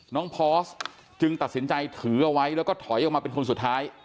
พอร์สจึงตัดสินใจถือเอาไว้แล้วก็ถอยออกมาเป็นคนสุดท้าย